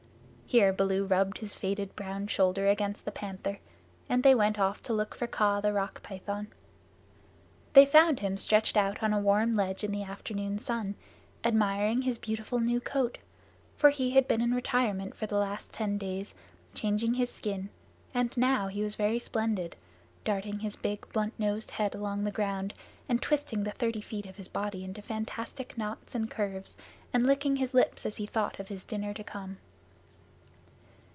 Here Baloo rubbed his faded brown shoulder against the Panther, and they went off to look for Kaa the Rock Python. They found him stretched out on a warm ledge in the afternoon sun, admiring his beautiful new coat, for he had been in retirement for the last ten days changing his skin, and now he was very splendid darting his big blunt nosed head along the ground, and twisting the thirty feet of his body into fantastic knots and curves, and licking his lips as he thought of his dinner to come.